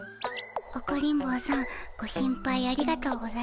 オコリン坊さんご心配ありがとうございます。